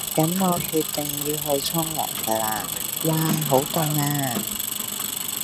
咁我決定要去沖涼㗎啦，嘩好凍呀！